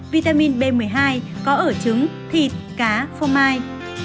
vitamin b một mươi hai có ở trứng thịt cá phô mai